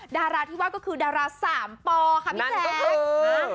ดาราที่ว่าก็คือดาราสามปอค่ะพี่แจ๊ค